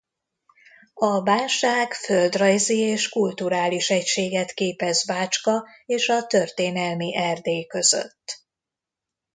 A Bánság földrajzi és kulturális egységet képez Bácska és a történelmi Erdély között.